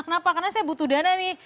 kenapa karena saya butuh dana nih